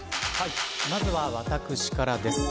まずは私からです。